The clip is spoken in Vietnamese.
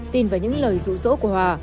tin và những lời dụ dỗ của hòa